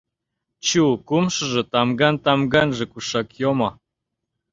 Чу, кумшыжо, тамган-тамганже кушак йомо?